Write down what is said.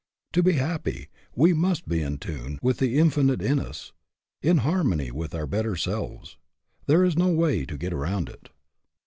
To be happy, we must be in tune with the In finite within us, in harmony with our better selves. There is no way to get around it.